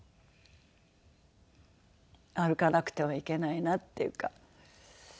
歩かなくてはいけないなっていうか。